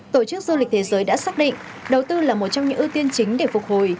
tổ chức du lịch thế giới đã xác định đầu tư là một trong những ưu tiên chính để phục hồi